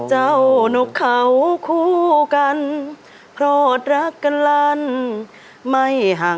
คุณปู่ท่านร้องว่าอะไรอ่ะ